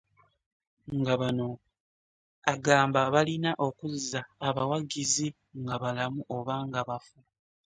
Nga bano agamba balina okuzza abawagizi nga balamu oba nga bafu.